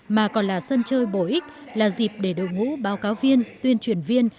mà còn là sân chơi bổ ích là dịp để đội ngũ báo cáo viên tuyên truyền viên